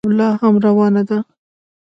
او لا هم روانه ده.